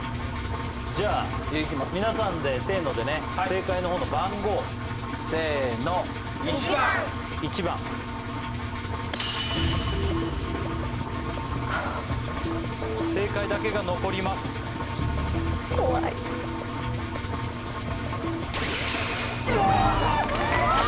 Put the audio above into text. じゃあ皆さんでせのでね正解のほうの番号せの１番１番正解だけが残ります怖いよいしょ！